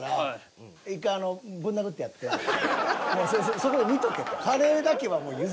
そこで見とけと。